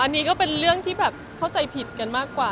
มีลายข้าว